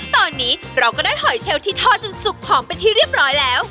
ตอนนี้เราก็ได้หอยเชลที่ทอดจนสุกหอมเป็นที่เรียบร้อยแล้ว